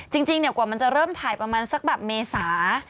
จริงกว่ามันจะเริ่มถ่ายประมาณสักแบบเมษา